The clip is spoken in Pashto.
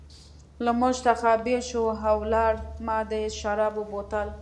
له موږ څخه بېل شو او ولاړ، ما د شرابو بوتل.